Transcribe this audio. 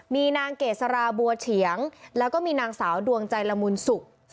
มีนางเกษราบัวเฉียงแล้วก็มีนางสาวดวงใจละมุนสุก